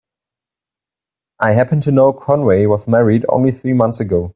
I happen to know Conway was married only three months ago.